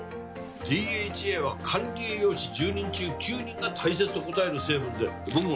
ＤＨＡは管理栄養士１０人中９人が大切と答える成分で僕もね